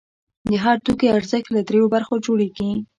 د هر توکي ارزښت له درېیو برخو جوړېږي